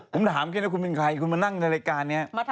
ผมถามแค่ว่าคุณเป็นใครคุณมานั่งในรายการนี้